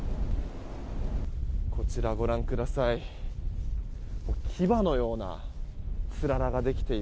こちら、ご覧ください。